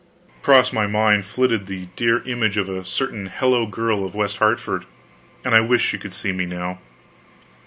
Across my mind flitted the dear image of a certain hello girl of West Hartford, and I wished she could see me now.